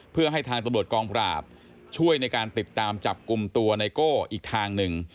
เพื่อให้ทางตำรวจกองปราบช่วยในการติดตามจับกลุ่มตัวไนโก้อีกทางหนึ่ง